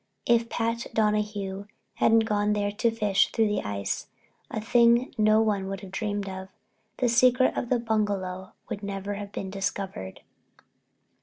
If Pat Donahue hadn't gone there to fish through the ice—a thing no one would have dreamed of—the secret of the bungalow would never have been discovered.